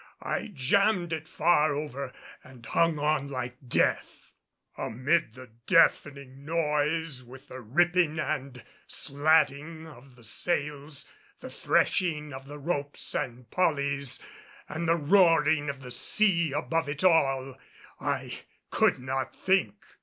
I jammed it far over and hung on like death. Amid the deafening noise, with the ripping and slatting of the sails, the threshing of the ropes and pollys, and the roaring of the sea above it all, I could not think.